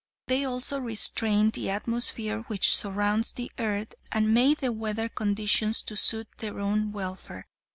They also restrained the atmosphere which surrounds the earth and made the weather conditions to suit their own welfare.